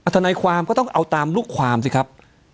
ทนายความก็ต้องเอาตามลูกความสิครับ